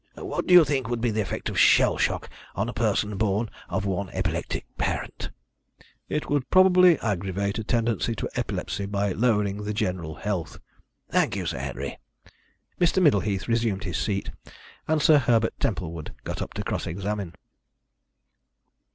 "What do you think would be the effect of shell shock on a person born of one epileptic parent?" "It would probably aggravate a tendency to epilepsy, by lowering the general health." "Thank you, Sir Henry." Mr. Middleheath resumed his seat, and Sir Herbert Templewood got up to cross examine.